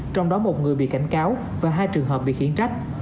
trong đó một người bị cảnh cáo và hai trường hợp bị khiển trách